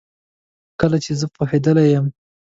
کله چي زه پوهیدلې یم